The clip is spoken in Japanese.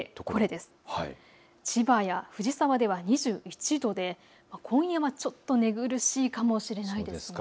千葉や藤沢では２１度で今夜はちょっと寝苦しいかもしれません。